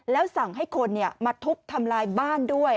แล้วสั่งให้คนมาทุบทำลายบ้านด้วย